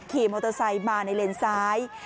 ขี่มอเตอร์ไซค์มาในเลนซ้าย